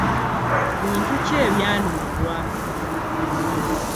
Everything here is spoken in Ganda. Bintu ki ebyanunulwa?